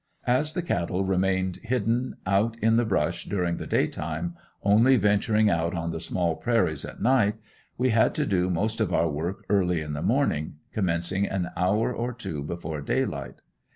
As the cattle remained hidden out in the "brush" during the day time, only venturing out on the small prairies at night, we had to do most of our work early in the morning, commencing an hour or two before daylight.